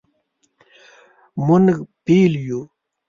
مونږ بیل یو